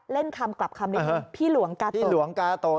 เล่นคำกลับคำหนึ่งพี่หลวงกาโตะ